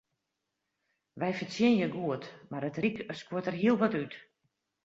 Wy fertsjinje goed, mar it ryk skuort der hiel wat út.